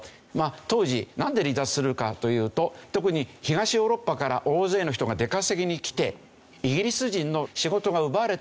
当時なんで離脱するかというと特に東ヨーロッパから大勢の人が出稼ぎに来てイギリス人の仕事が奪われている。